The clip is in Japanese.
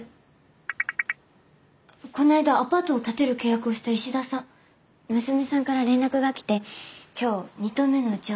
この間アパートを建てる契約をした石田さん娘さんから連絡が来て今日２棟目の打ち合わせをしたいって。